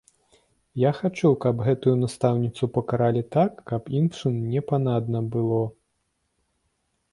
Я хачу, каб гэтую настаўніцу пакаралі так, каб іншым непанадна было.